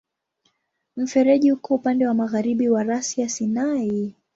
Mfereji uko upande wa magharibi wa rasi ya Sinai.